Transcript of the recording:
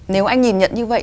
nếu anh nhìn nhận như vậy